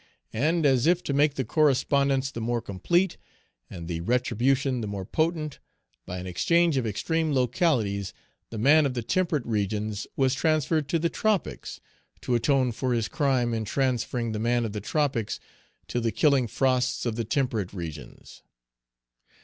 And as if to make the correspondence the more complete, and the retribution the more potent, by an exchange of extreme localities, the man of the temperate regions was transferred to the tropics, to atone for his crime in transferring the man of the tropics to the killing frosts of the temperate regions.